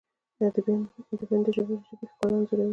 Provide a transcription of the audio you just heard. ادیبان د ژبې ښکلا انځوروي.